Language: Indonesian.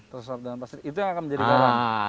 terus wap dalam pasir itu yang akan menjadi garam